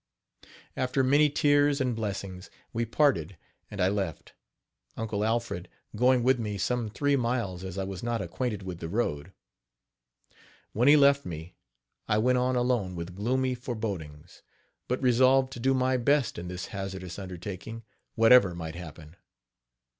After many tears and blessings, we parted, and I left, Uncle Alfred going with me some three miles, as I was not acquainted with the road. When he left me I went on alone with gloomy forebodings, but resolved to do my best in this hazardous undertaking, whatever might happen.